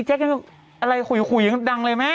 อิแจ๊กยังไม่รู้อะไรขุยดังเลยแม่